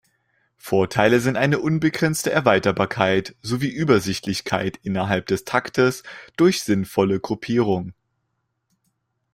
Vorteile sind eine unbegrenzte Erweiterbarkeit sowie Übersichtlichkeit innerhalb des Taktes durch sinnvolle Gruppierung.